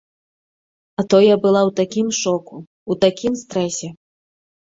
А то я была ў такім шоку, у такім стрэсе.